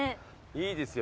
いいですよ。